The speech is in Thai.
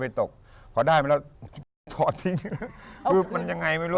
ได้เคยมากันคือเผาขอได้หรอ